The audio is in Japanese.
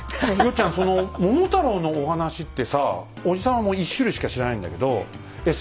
その「桃太郎」のお話ってさおじさんはもう１種類しか知らないんだけどえっ